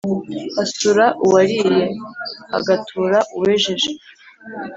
Hasura uwariye. Hagatura uwejeje